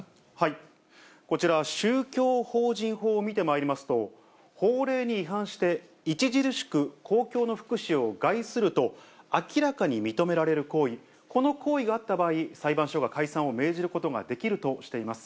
こちら、宗教法人法を見てまいりますと、法令に違反して著しく公共の福祉を害すると、明らかに認められる行為、この行為があった場合、裁判所が解散を命じることができるとしています。